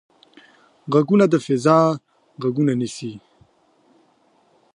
غوږونه د فضا غږونه نیسي